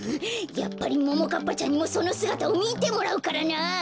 やっぱりももかっぱちゃんにもそのすがたをみてもらうからな！